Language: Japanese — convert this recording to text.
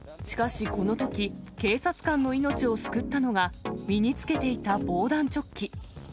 しかしこのとき、警察官の命を救ったのが、身につけていた防弾チョッキ。